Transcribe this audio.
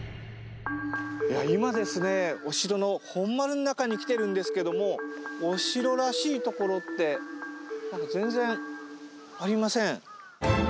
今ですねお城の本丸の中に来てるんですけどもお城らしいところってなんか、全然ありません。